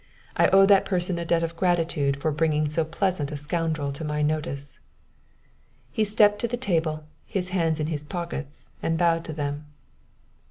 I owe that person a debt of gratitude for bringing so pleasant a scoundrel to my notice." He stepped to the table, his hands in his pockets, and bowed to them.